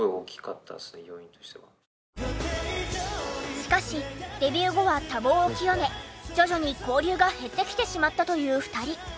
しかしデビュー後は多忙を極め徐々に交流が減ってきてしまったという２人。